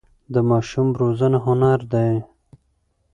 د ماشوم روزنه هنر دی.